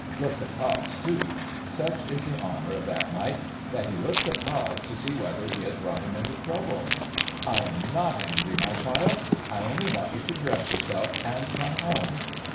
Looks at Cobbs too. Such is the honour of that mite, that he looks at Cobbs, to see whether he has brought him into trouble. ' I am not angry, my child. I only want you to dress yourself and come home.'